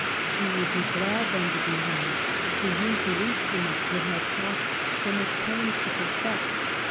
She would be glad, then, to be home, to use the instrument it had cost so much pains to perfect.